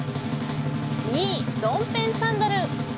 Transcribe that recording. ２位、ドンペンサンダル。